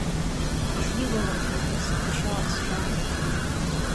If you will not take us, the sharks shall.